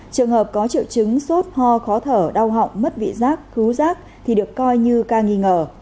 trường hợp có triệu chứng sốt ho khó thở đau họng mất vị giác cứu rác thì được coi như ca nghi ngờ